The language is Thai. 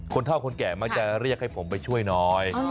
เท่าคนแก่มักจะเรียกให้ผมไปช่วยน้อย